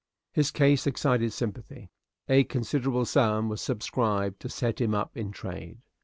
His case excited sympathy; a considerable sum was subscribed to set him up in trade.